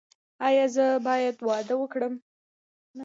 ایا زه باید واده وکړم؟